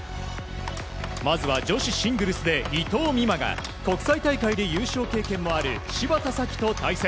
まずは女子シングルスで伊藤美誠が国際大会で優勝経験もある芝田沙季と対戦。